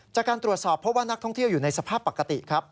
จากการตรวจสอบเพราะว่านักท่องเที่ยวอยู่ในสภาพปกติครับ